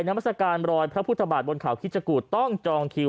น้ำมัสการรอยพระพุทธบาทบนข่าวคิชกรูดต้องจองคิว